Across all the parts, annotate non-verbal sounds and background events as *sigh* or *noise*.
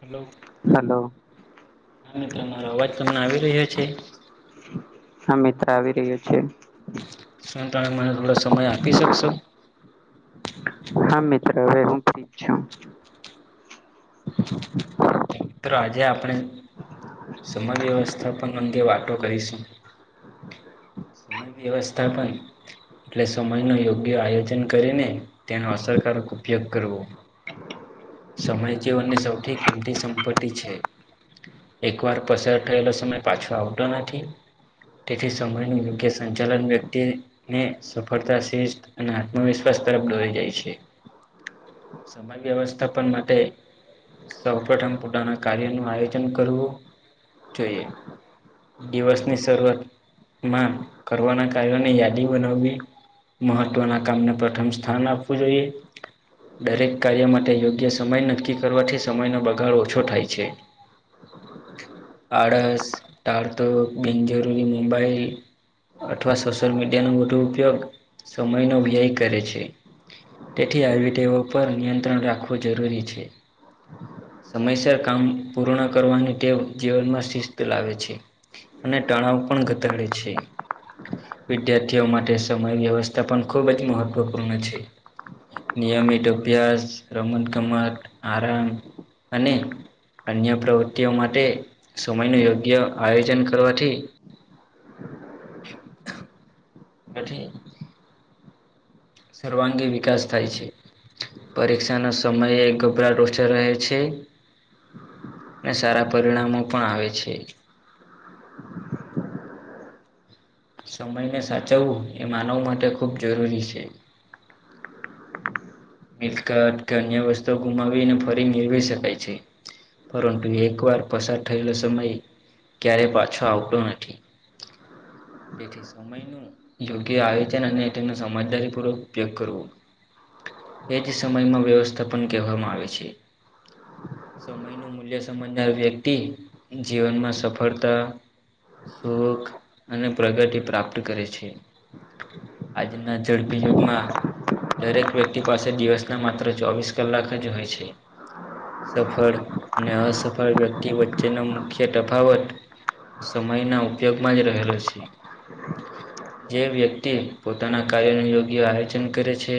Hello hello હા મિત્ર મારો અવાજ તમને આવી રહ્યો છે હા મિત્ર આવી રહ્યો છે શું તમે મને થોડો સમય આપી શકશો હા મિત્રભય હું ઠક છું મિત આજે આપણે સમય વ્યવસ્થાપન અંગે વાતો કરીશું સમય વ્યવસ્થા પણન એટલે સમય ન યોગ્ય આયોજન કરીને તેનો અસરકારક ઉપયોગ કરવો સમય જીવનની સૌથી કિંમતી સંપત્તિ છે એક વાર પસાર થયેલો સમય પાછો આવતો નથી તેથી સમય યોગ્ય સંચાલન વ્યક્તિ સફળતા શિસ્ અને આત્મવિશ્વાસ તરફ દોરી જાય છે સમાજ વ્યવસ્થાપન માટે સૌ પ્ર્રથમ પોતાના કાર્ય ન આયોજન કરવું જોઈએ દિવસની શરૂઆતમાં કરવાના કાર્યોને યાદી બનાવવી મહત્વના કામને પ્રથમ સ્થાન આપવું જોઈએ દરેક કાર્ય માટે યોગ્ય સમય નક્કી કરવાથી સમયનો બગાડો છો થાય છે આળસ ટાારતો બિનજરૂરી મોબાઈલ અથવા સોશલ મીડિયાનો મોટ ઉપયોગ સમયનો ભી એ કરે છે તેથી આયવેટીવ પર નિયંત્રણ રાખવું જરૂરી છે સમયસર કામ પૂર્ણ કરવાની ટેવ જીવનમાં શિસ્ત લાવે છે અને તણાવ પણ ઘતાડે છે વિદ્યાર્થીઓ માટે સમય વ્યવસ્થા પણ ખૂબ જ મહત્વપૂર્ણ છે નિયમિત અભ્યાસ રમત ગમત આરામ અને અન્ય પ્રવૃત્તિઓ માટે સમયનું યોગ્ય આયોજન કરવાથી ગધી સર્વાંગી વિકાસ થાય છે પરીક્ષાનો સમય ગભરાટોઠ રહે છે ને સારા પરિણામો પણ આવે છે સમયને સાચવવું એ માનવ માટે ખૂબ જરૂરી છે મિલક કે અન્ય વસ્તુઓ ગુમાવીને ફરી મેળવી શકાય છે પરંતુ એક વાર પસાર થયેલો સમય ક્યારે પાછો આવતો નથી *unintelligible* તેથી સમયનું યોગ્ય આયોજન અને તેનો સમજદારી પૂર્વક ઉપયોગ કરવો એ જ સમયમાં વ્યવસ્થાપન કહેવામાં આવે છે સમયનું મૂલ્ય સમજનાર વ્યક્તિ જીવનમાં સફળતા સુખ અને પ્રગતિ પ્રાપ્ત કરે છે આજના ઝડપી યુગમાં દરેક વ્યક્તિ પાસે દિવસના માત્ર ચોવીસ કલાક જ હોય છે સફળ અને અસફળ વ્યક્તિ વચ્ચેનો મુખ્ય તફાવત સમય ના ઉપયોગમાં જ રહેલો છે જે વ્યક્તિ પોતાના કાર્ય ન યોગ્ય આયોજન કરે છે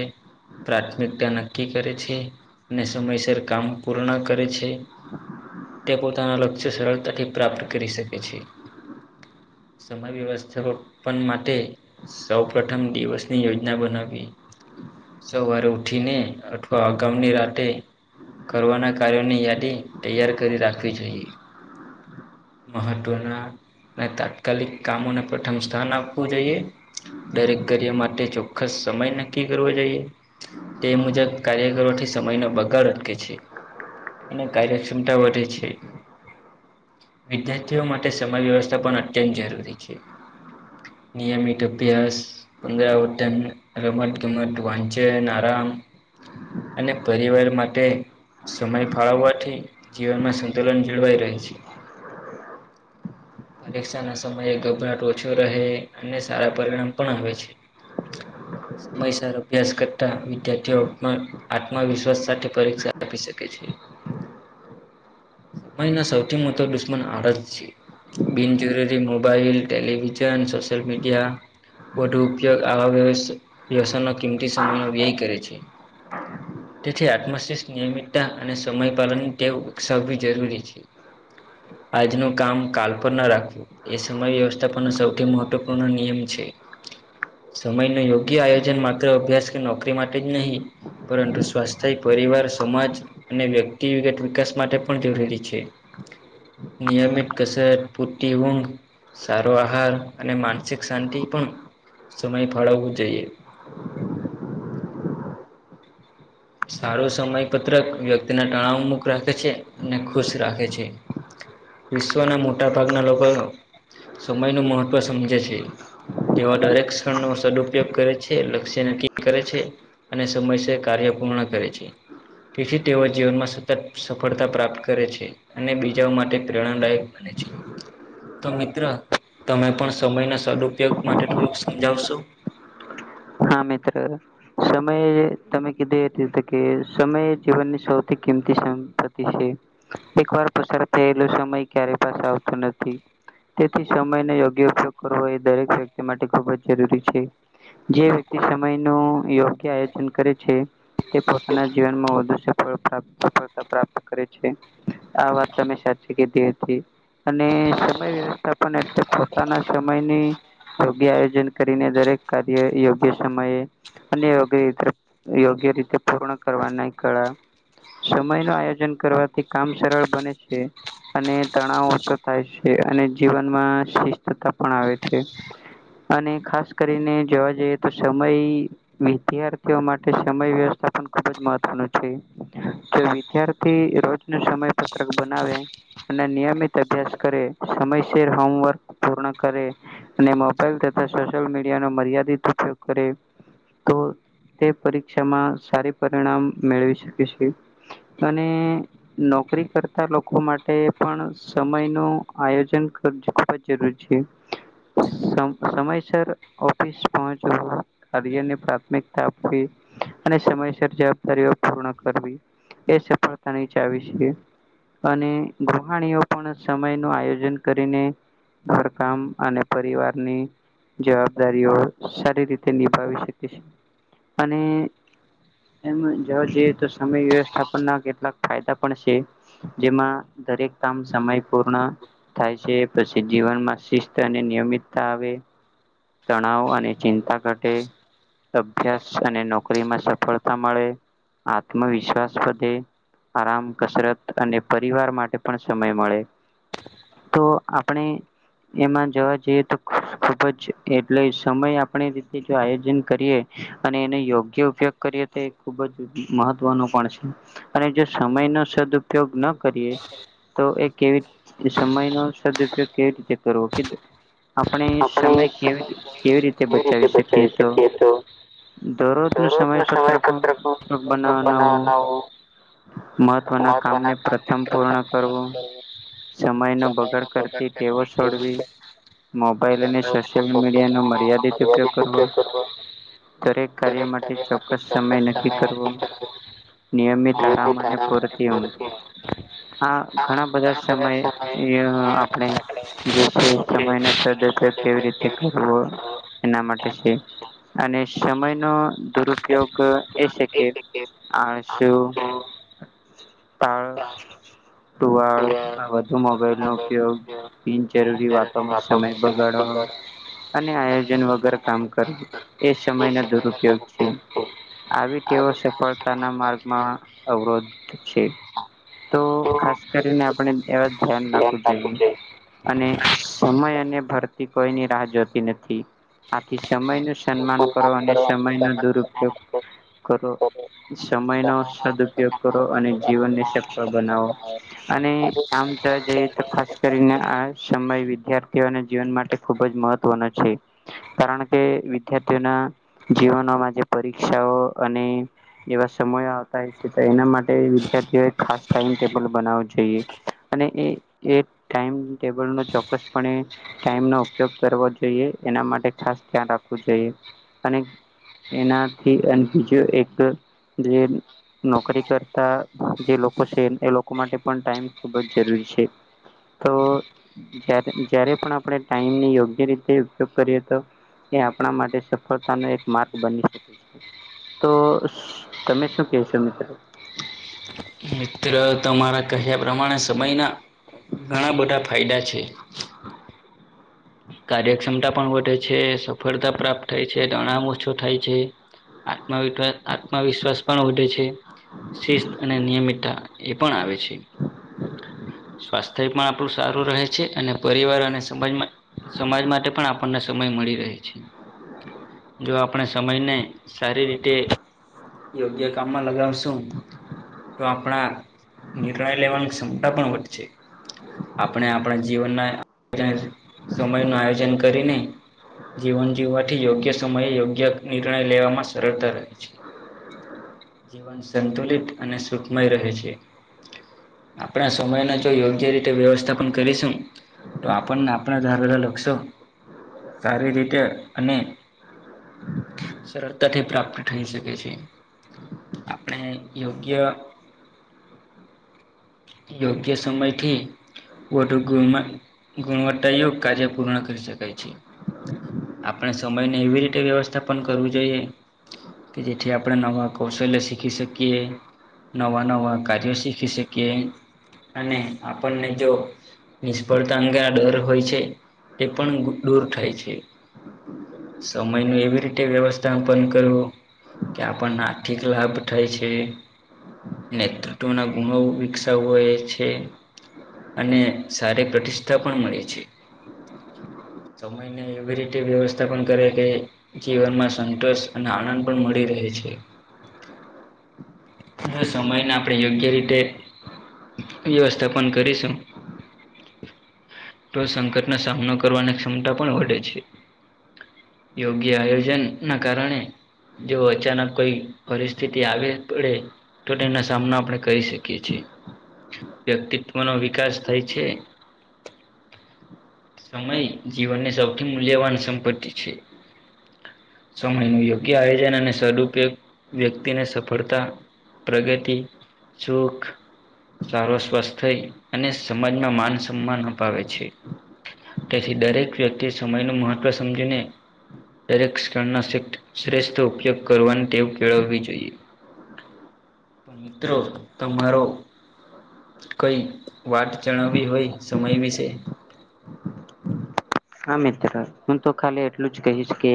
પ્રાથમિકતા નક્કી કરે છે અને સમયસર કામ પૂર્ણ કરે છે તે પોતાના લક્ષ્ય સરળતાથી પ્રાપ્ત કરી શકે છે સમય વ્યવસ્થાપ માટે સૌ પ્રથમ દિવસની યોજના બનાવીવી સવારે ઉઠીને અથવા અગઉની રાતે કરવાના કાર્યોની યાદી તૈયાર કરી રાખવી જોઈએ મહત્વના અને તાત્કાલિક કામોને પ્રથમ સ્થાન આપવું જોઈએ દરેક કાર્ય માટે ચોક્કસ સમય નક્કી કરવો જોઈએ તે મુજબ કાર્યકરોથી સમયનો બગા અટકે છે અને કાર્યક્ષમતા વધે છે વિદ્યાર્થીઓ માટે સમય વ્યવસ્થા પણ અત્યંત જરૂરી છે નયમિત અભ્યાસ પંદરાવતન રમત ગમત વાંચ નારાણ અને પરિવાર માટે સમય ફાળવવાથી જીવનમાં સંતુલન જળવાઈ રહે છે પરીક્ષા ના સમયે ગભરાટ ઓછો રહે અને સારા પરિણામ પણ આવે છે *inaudible* સમયસર અભ્યાસ કરતાં વિદ્યાર્થીઓ આત્મવિશ્વાસ સાથે પરીક્ષા આપી શકે છે સમય ના સૌથી મોટો દુશ્મન આળત છે બિનજરૂરી મોબાઈલ ટટેલિવિઝન સોશલ મીડિયા વધુ ઉપયોગ આવા વ્યવસાય કિંમતી સમયનો વ્યય કરે છે હ તેથી આત્મશિષ નિયમિતતા અને સમય પાલન ટેવ વિકસાવવી જરૂરી છે આજનો કામકાાલ રાખવું એ સમય વ્યવસ્થા સૌથી મહત્વપૂર્ણ નિયમ છે સમય ન યોગ્ય આયોજન માત્ર અભ્યાસ કે નોકરી માટે જ નહીં પરંતુ સ્વાસ્થ્ય પરિવાર સમાજ અને વ્યક્તિગત વિકાસ માટે પણ જરૂરી છે નિયમિત કસર પૂરતી ઊંઘ સારો આહાર અને માનસિક શાંતિ પણ સમય ફાળવવું જોઈએ સારું સમય પત્રક વ્યક્તિના તણાવ મુુખ રાખે છે અને ખુશ રાખે છે વિશ્વના મોટા ભાગના લોકો સમય ન મહત્વ સમજે છે તેવા દરેક ક્ષણ નો સદુપયોગ કરે છે લક્ષ્ય નક્કી કરે છે અને સમયસ કાર્ય પૂર્ણ કરે છે તેથી તેઓ જીવનમાં સતત સફળતા પ્રાપ્ત કરે છે અને બીજાઓ માટે પ્રેરણાદાયક બને છે તો મિત્ર તમે પણ સમય ના સદઉપયોગ માટે થોડુંક સમજાવશો હા મિતિત્ર સમયે તમે કીધી હતી તો કે સમય જીવનની સૌથી કિંમતી સંપત્તિ છે એક વાર પ થયેલો સમય ક્યારે પાસે આવતોું નથી તેથી સમયનો યોગ્ય ઉપયોગ કરવો એ દરેક વ્યક્તિ માટે ખૂબ જ જરૂરી છે જે વ્યક્તિ સમય ન યોગ્ય આયોજન કરે છે તે પોતાના જીવનમાં વધુ સફળતા પ્રાપ્ત કરે છે આ વાત તમે સાચી કેથી અને સમય વ્યવસ્થા એટલે પોતાના સમયની યોગ્ય આયોજન કરીને દરેક કાર્ય યોગ યો સમયે અનેયોગ્ય ર યોગ્ય રીતે પૂર્ણ કરવાની કળા સમય નું આયોજન કરવાથી કામ સરળ બને છે અને તણાવ ઓછો થાય છે અને જીવનમાં શિસ્તતા પણ આવે છે અને ખાસ કરીને જોવા જઈએ તો સમય વિદ્યાર્થીઓ માટે સમય વ્યવથા પણ ખુબ જ મહત્વનું છે ત્યારથી રોજ ન સમય પત્રક બનાવે અને નિયમિત અભ્યાસ કરે સમયસર હોમવર્ક પૂર્ણ કરે અને મોબાઈલ તથા સોશિયલ મીડિયા નો મર્યાદિત ઉપયોગ કરે તો તે પરીક્ષામાં સારી પરિણામ મેળવી શકે છે. અને નોકરી કરતા લોકો માટે પણ સમય નું આયોજન ખૂબ જ જરૂરી છે. હ સમયસર ઓફિસ પહોંચ કાર્યની પ્રાથમિકતા આપવી અને સમયસર જવાબદારીઓ પૂર્ણ કરવી એ સફળતાની ચાવી છે. અને ગૃહાણીઓ પણ સમય નું આયોજન કરીને ઘરકામ અને પરિવારની જવાબદારીઓ સારી રીતે નિભાવી શકી છે. અને એમ જોવા જઈએ તો સમય વ્યવસ્થાના કેટલાક ફાયદા પણ છે. જેમાં દરેક કામ સમય પૂર્ણ થાય છે. પછી જીવનમાં શિસ્ત અને નિયમિતતા આવે તણાવ અને ચિંતા ઘ અભ્યાસ અને નોકરીમાં સફળતા મળે આત્મવિશ્વાસ વધે આરામ કસરત અને પરિવાર માટે પણ સમય મળે તો આપણે એમાં જવા જઈએ તો ખુબ જ એટલે સમય આપણી રીતે જો આયોજન કરીએ અને એનો યોગ્ય ઉપયોગ કરીએ તે ખુબ જ મહત્વનો પણ છે. અને જે સમય ન સદ ઉપયોગ ન કરીએ તો એ કેવી સમય નો સદુપયોગ કેવી રીતે કરવો કે આપણે સમય કે કેવી રીતે બચાવી શકીએ તો દરરોજ નો સમય પત્રકત્રક બનાવાના મહત્વના કામને પૂર્ણ કરવું સમય નો બગાડ કરતી કેવો છોડવી મોબાઈલ અને સોશિયલ મીડિયા નો મર્યાદિત ઉપયોગ કરવો દરેક કાર્ય માટે ચોક્કસ સમય નક્કી કરવો નિયમિત ારામ અને પરતી ંઘ આ ઘણા બધા સમય આપણે જે છે. સમય ન સદપગ કેવી રીતે કર એના માટે છે. અને સમયનોો દુરુપયોગ એ છે. કે આળસુ હા તાળ ટુવાળ આ બધુ મોબાઈલ નો ઉપયોગ બિનજરૂરી વાતોમાં સમય બગાડ અને આયોજન વગર કામ કરવું એ સમયનો દુરુપયોગ છે. આવી તેઓ સફળતાના માર્ગમાં અવરોધ છે. તો ખાસ કરીને આપણે એવા ધ્યાન નાખવું જોઈએ અને સમય અને ભરતી કોઈની રાહ જોતી નથી આથી સમય નું સન્માન કરો અને સમય નો દુરપયોગ કરો સમય નો સદઉપયોગ કરો અને જીવનની સક્ષ બનાવો અને આમ જોવા જઈએ તો ખાસ કરીને આ સમય વિદ્યાર્થીઓને જીવન માટે ખુબ જ મહત્વના છે. કારણ કે વિદ્યાર્થીઓના જીવનોમાં જે પરીક્ષાઓ અને એવા સમય આવતા હોય છે. તો એના માટે વિદ્યાર્થીઓ ખાસ ટાઈમ ટેબલ બનાવું જોઈએ અને એ એ ટાઈમ ટેબલ નો ચોક્કસપણે ટાઈમ નો ઉપયોગ કરવાો જોઈએ એના માટે ખાસ ધ્યાન રાખવું જોઈએ અને એનાથી અને બીજું એક જે નોકરી કરતા જે લોકો છે એ લોકો માટે પણ ટાઈમ ખુબ જ જરૂરી છે. તો જ જ્યારે પણ આપણે ટાઈમને યોગ્ય રીતે ઉપયોગ કરીએ તો એ આપણા માટે સફળતા નો એક માર્ગ બની શકે છે, તો તમે શું કહેશો મિત્રો મિત્ર તમારા કહ્યા પ્રમાણે સમયના ઘણા બધા ફાયદા છે, કાર્યક્ષમતા પણ વધે છે, સફળતા પ્રાપ્ત થાય છે તણામ ઓછો થાય છે, આત્મવસ આત્મવિશ્વાસ પણ વધે છે, શિસ્ત અને નિયમિતતા એ પણ આવે છે, સ્વાસ્થ્ય પણ આપણું સારું રહે છે, અને પરિવાર અને સમાજમાં સમાજ માટે પણ આપણને સમય મળી રહે છે, જો આપણે સમયને સારી રીતે યોગ્ય કામમાં લગાવશું તો આપણા નિર્ણય લેવાની ક્ષમતા પણ વધશે, આપણે આપણા જીવનના સમય નું આયોજન કરીને જીવન જીવવાથી યોગ્ય સમયે યોગ્ય નિર્ણય લેવામાં સરળતા રહે છે, જીવન સંતુલિત અને સુખમય રહે છે, આપણે સમયને જો યોગ્ય રીતે વ્યવસ્થા પણ કરીશું, તો આપણને આપણા ધાર બધા લક્ષો સારી રીતે અને સરળતાથી પ્રાપ્ત થઈ શકે છે. આપણે યોગ્ય યોગ્ય સમયથી વધુ ગુણવ ગુણવત્તા *unintelligible* કાર્ય પૂર્ણ કરી શકાય છે આપણે સમયને એવી રીતે વ્યવસ્થા પણ કરવી જોઈએ, કે જેથી આપણે નવા કૌશલ્ય શીખી શકીએ, નવાં નવાં કાર્યો શીખી શીકીએ અને આપણને જો નિષ્ફળતા અંગે આ ડર હોય છે તે પણ દૂર થાય છે, સમય ન એવી રીતે વ્યવસ્થા પણ કરવું, કે આપણ આ કેટલો લાભ ઉઠાય છે, નેતૃત્વના ગુણ વિકસાવ એ છે અને સારી પ્રતિષ્ઠા પણ મળે છે સમયને એવી રીતે વ્યવસ્થા પણ કરે કે જીવનમાં સંતોષ અને આનંદ પણ મળી રહે છે, સમયને આપણે યોગ્ય રીતે વ્યવસ્થા પણન કરીશું તો સંકટનો સામનો કરવાની ક્ષમતા પણ વધે છે, યોગ્ય આયોજન ના કારણે જે અચાનક કોઈ પરિસ્થિતિ આવે પડે તો એના સામના આપણે કરી શકીએ છીએ, વ્યક્તિત્વનો વિકાસ થાય છે, સમય જીવનની સૌથી મૂલ્યવાન સંપત્તિ છે, સમયનું યોગ્ય આયોજન અને સદુપયોગ વ્યક્તિને સફળતા પ્રગતિ સુખ સારો સ્વસ્થ થઈ અને સમાજમાં માન સન્માન અપાવે છે, તેથી દરેક વ્યક્તિ સમય નુ મહત્વ સમજીને દરેક ક્ષણ શ શ્રેષ્ઠ ઉપયોગ કરવાની ટેવ કેળવવી જોઈએ, તો મિત્રો તમારો કઈ વાત જણાવવી હોય સમય વિશે હા, મિત્ર હું તો ખાલી એટલું જ કહીશ કે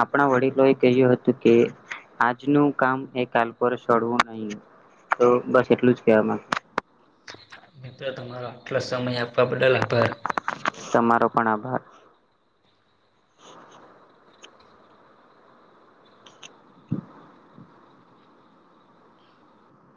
આપણા વડીલો એ કહ્યું હતું કે આજનું કામ એ કાલ પર સડવું નહી તો બસ એટલું જ કહેવા માંગુ. મિત્રો તમારો આટલો સમય આપવા બદલ આભાર. તમારો પણ આભાર.